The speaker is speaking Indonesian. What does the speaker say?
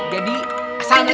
jadi asal nih gua